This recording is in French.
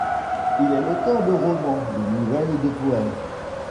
Il est l'auteur de romans, de nouvelles et de poèmes.